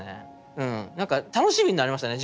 うんなんか楽しみになりましたね